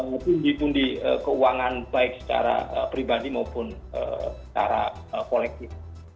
untuk ditundi keuangan baik secara pribadi maupun secara kolektif